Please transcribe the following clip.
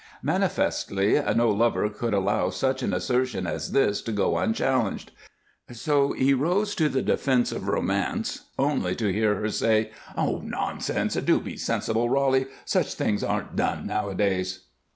Manifestly, no lover could allow such an assertion as this to go unchallenged, so he rose to the defense of romance, only to hear her say: "Nonsense! Do be sensible, Roly. Such things aren't done nowadays."